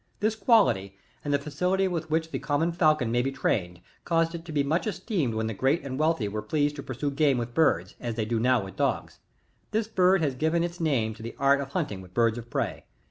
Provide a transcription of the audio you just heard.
This quality and the facility with which the com mon falcon may be trained, caused it to be much esteemed when the great and wealthy were pleased to pursue game with birds, as they do now with dogs ; this bird has given its name to the art of. hunting with birds of prey.